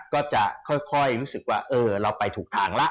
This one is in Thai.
ก็จะค่อยรู้สึกว่าเออเราไปถูกทางแล้ว